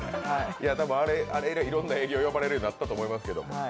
あれ以来、いろんな営業に呼ばれるようになったと思いますけど。